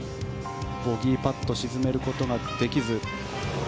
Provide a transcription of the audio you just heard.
ボギーパットを沈めることができず。